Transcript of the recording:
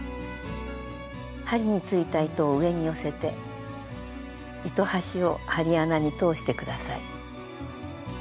針についた糸を上に寄せて糸端を針穴に通して下さい。